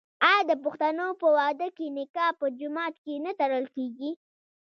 آیا د پښتنو په واده کې نکاح په جومات کې نه تړل کیږي؟